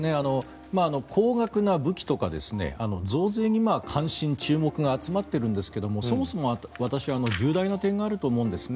高額な武器とか増税に関心が集まっているんですがそもそも私は重大な点があると思うんですね。